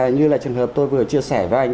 như là trường hợp tôi vừa chia sẻ với anh